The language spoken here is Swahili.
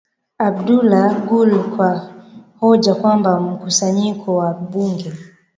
Abdullah Gul kwa hoja kwamba mkusanyiko wa bunge